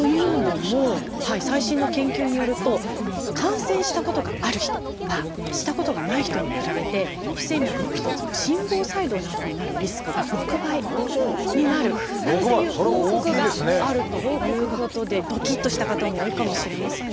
というのも最新の研究によると感染したことがある人はしたことがない人に比べて不整脈の一つの「心房細動」などになるリスクが６倍になるなんていう報告があるということでドキッとした方も多いかもしれませんね。